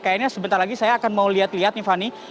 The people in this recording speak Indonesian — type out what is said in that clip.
kayaknya sebentar lagi saya akan mau lihat lihat nih fani